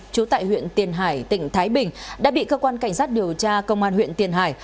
trú tại huyện tiền hải tỉnh thái bình đã bị cơ quan cảnh sát điều tra công an huyện tiền hải